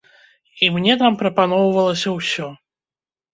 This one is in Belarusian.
І мне там прапаноўвалася ўсё.